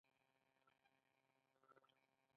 ایا ستاسو ویش به عادلانه نه وي؟